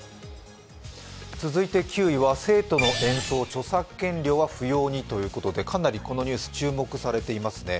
続いて９位は生徒の演奏、著作権料は不要にということでかなりこのニュース、注目されていますね。